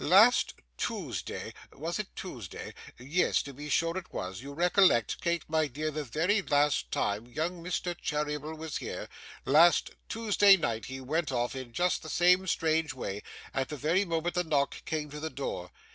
Last Tuesday was it Tuesday? Yes, to be sure it was; you recollect, Kate, my dear, the very last time young Mr. Cheeryble was here last Tuesday night he went off in just the same strange way, at the very moment the knock came to the door.